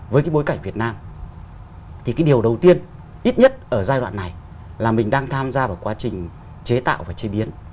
với cái bối cảnh việt nam thì cái điều đầu tiên ít nhất ở giai đoạn này là mình đang tham gia vào quá trình chế tạo và chế biến